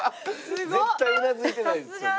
絶対うなずいてないですよね。